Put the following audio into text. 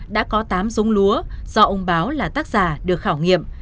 đã có tám giống lúa do ông báo là tác giả được khảo nghiệm